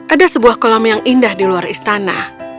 ada sebuah kolam yang indah di luar istana